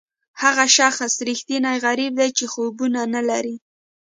هغه شخص ریښتینی غریب دی چې خوبونه نه لري.